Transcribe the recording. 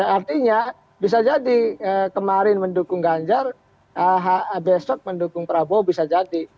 artinya bisa jadi kemarin mendukung ganjar besok mendukung prabowo bisa jadi